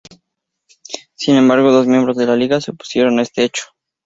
Sin embargo, dos miembros de la Liga se opusieron a este hecho.